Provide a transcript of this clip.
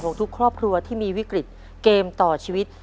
ทุกครอบครัวที่มีวิกฤตเกมต่อชีวิต